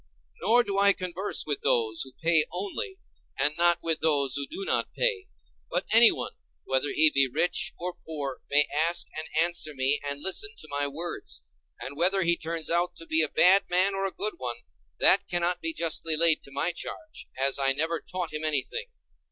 Nor do I converse with those who pay only, and not with those who do not pay; but any one, whether he be rich or poor, may ask and answer me and listen to my words; and whether he turns out to be a bad man or a good one; that cannot be justly laid to my charge, as I never taught him anything.